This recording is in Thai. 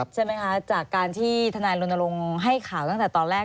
ใช่ไหมคะจากการที่ทนายรณรงค์ให้ข่าวตั้งแต่ตอนแรก